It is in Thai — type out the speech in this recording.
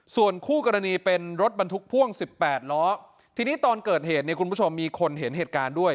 ส่วนคู่กรณีเป็นรถบรรทุกพ่วงสิบแปดล้อทีนี้ตอนเกิดเหตุเนี่ยคุณผู้ชมมีคนเห็นเหตุการณ์ด้วย